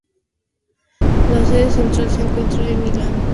La sede central se encuentra en Milán.